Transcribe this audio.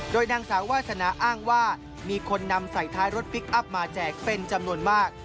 โดยนางสาววาสนาอ้างว่ามีคนนำใส่ท้ายรถพลิกอัพมาแจกเป็นจำนวนมาก